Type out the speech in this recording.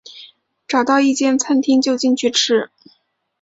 找到一间餐厅就进去吃